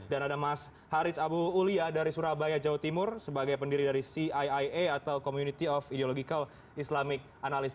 dan ada mas haris abu ulia dari surabaya jawa timur sebagai pendiri dari ciia atau community of ideological islamic analyst